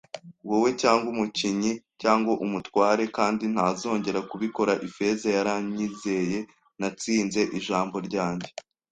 wowe cyangwa umukinyi cyangwa umutware; kandi ntazongera kubikora. Ifeza yaranyizeye; Natsinze ijambo ryanjye,